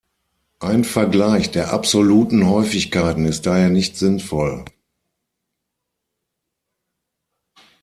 Ein Vergleich der absoluten Häufigkeiten ist daher nicht sinnvoll.